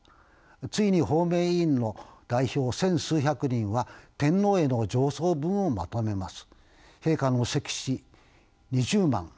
ついに方面委員の代表千数百人は天皇への上奏文をまとめます。